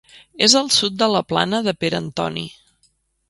És al sud de la Plana de Pere Antoni.